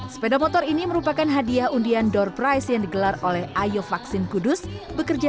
sepeda motor ini merupakan hadiah undian door price yang digelar oleh ayo vaksin kudus bekerja